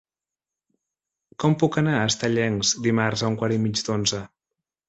Com puc anar a Estellencs dimarts a un quart i mig d'onze?